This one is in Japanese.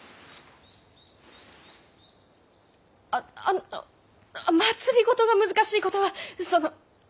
ああの政が難しいことはその。